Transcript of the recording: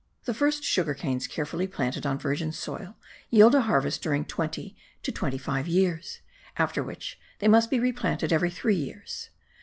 The first sugar canes carefully planted on virgin soil yield a harvest during twenty to twenty five years, after which they must be replanted every three years.